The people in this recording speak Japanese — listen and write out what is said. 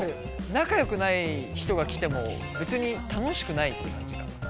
仲良くない人が来ても別に楽しくないって感じかな？